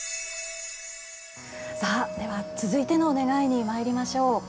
さあ、では続いての願いにまいりましょう。